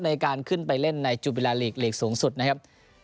ในการขึ้นไปเล่นในจุดบิลาลีกลีกสูงสุดนะครับ